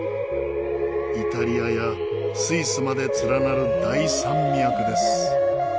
イタリアやスイスまで連なる大山脈です。